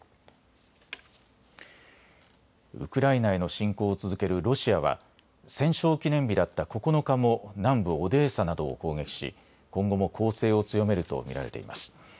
ウクライナへの侵攻を続けるロシアは戦勝記念日だった９日も南部オデーサなどを攻撃し今後も攻勢を強めると見られています。